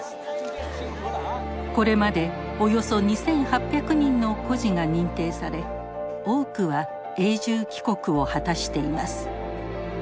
これまでおよそ２，８００人の孤児が認定され多くは永住帰国を果たしています。